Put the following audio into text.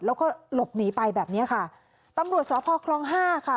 แล้วก็หลบหนีไปแบบเนี้ยค่ะตำรวจสพคลองห้าค่ะ